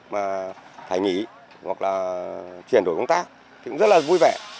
mà phải nghỉ hoặc là chuyển đổi công tác thì cũng rất là vui vẻ